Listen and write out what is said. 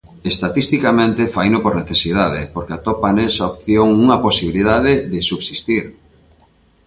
Estatisticamente faino por necesidade, porque atopa nesa opción unha posibilidade de subsistir.